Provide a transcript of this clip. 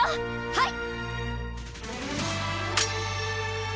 はい！